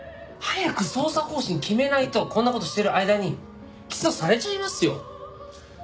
早く捜査方針決めないとこんな事してる間に起訴されちゃいますよ？